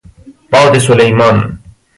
باد سلیمان